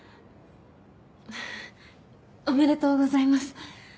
ははっおめでとうございます。